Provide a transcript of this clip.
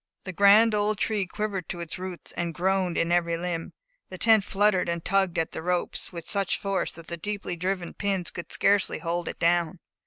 The grand old tree quivered to its roots, and groaned in every limb. The tent fluttered and tugged at the ropes with such force that the deeply driven pins could scarcely hold it down.